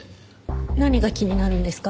何が気になるんですか？